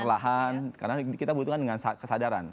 lahan karena kita butuhkan dengan kesadaran